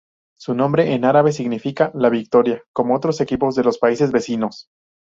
Su nombre en árabe significa "la victoria", como otros equipos de los países vecinos.